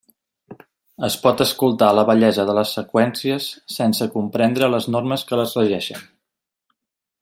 Es pot escoltar la bellesa de les seqüències sense comprendre les normes que les regeixen.